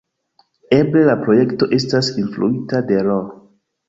Eble la projekto estas influita de Ro.